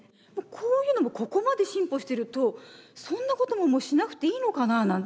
こういうのもここまで進歩してるとそんなことももうしなくていいのかななんて。